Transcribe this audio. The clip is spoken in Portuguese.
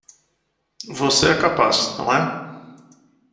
Você é capaz, não é?